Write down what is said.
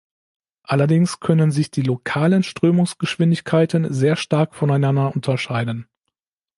Allerdings können sich die "lokalen" Strömungsgeschwindigkeiten sehr stark voneinander unterscheiden.